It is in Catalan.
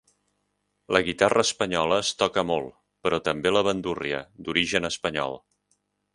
La guitarra espanyola es toca molt, però també la bandúrria, d'origen espanyol.